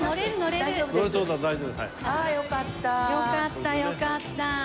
よかったよかった。